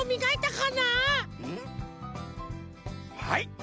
はい。